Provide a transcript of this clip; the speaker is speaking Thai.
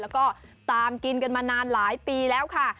แล้วก็ตามกินกันมานานหลายปีแล้วค่ะ